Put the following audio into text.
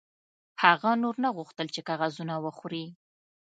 هغه نور نه غوښتل چې کاغذونه وخوري